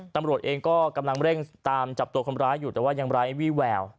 ตำรวจเองก็กำลังเร่งตามจับตัวคนร้ายอยู่แต่ว่ายังไร้วี่แวว